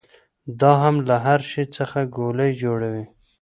دا هم له هر شي څخه ګولۍ جوړوي.